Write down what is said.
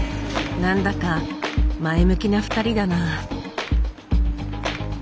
何だか前向きな２人だな。